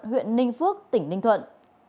huyện ninh phước tỉnh ninh thuận